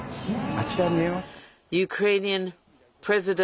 あちら見えますか？